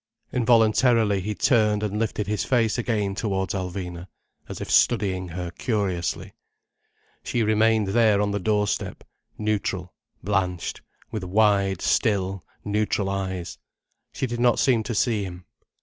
Involuntarily he turned and lifted his face again towards Alvina, as if studying her curiously. She remained there on the doorstep, neutral, blanched, with wide, still, neutral eyes. She did not seem to see him.